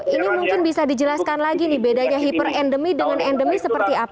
ini mungkin bisa dijelaskan lagi nih bedanya hyper endemik dengan endemik seperti apa